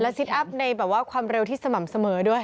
และซิดอัพในความเร็วที่สม่ำเสมอด้วย